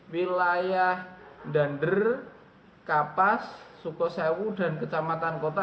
wilayah dander kapas sukosewu dan kecamatan kota